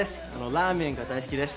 ラーメンが大好きです。